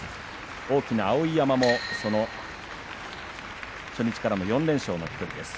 大きな碧山も初日から４連勝の１人です。